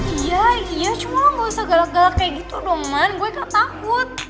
iya iya cuma gak usah galak galak kayak gitu dong man gue gak takut